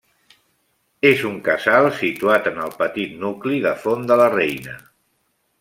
És un casal situat en el petit nucli de Font de la Reina.